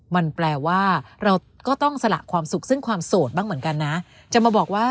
มันแปลว่าเราก็ต้องสละความสุขซึ่งความโสดบ้างเหมือนกันนะจะมาบอกว่า